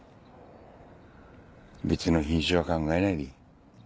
別の品種は考えないで。